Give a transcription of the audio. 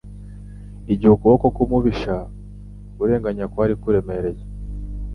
Igihe ukuboko k'umubisha urenganya kwari kuremereye,